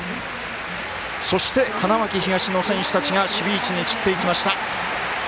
そして、花巻東の選手たちが守備位置に走っていきました。